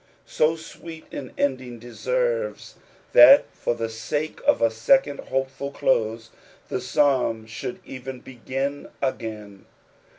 Bo sweet an ending deserves that for the sake of a second hopeful close the Psalm should even begin again.